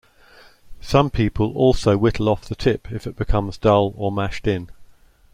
Some people also whittle off the tip if it becomes dull, or mashed in.